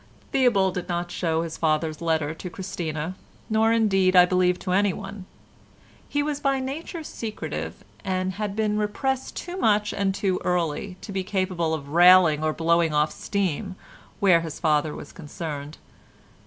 Theobald did not show his father's letter to Christina, nor, indeed, I believe to anyone. He was by nature secretive, and had been repressed too much and too early to be capable of railing or blowing off steam where his father was concerned.